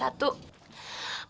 masa itu kelas satu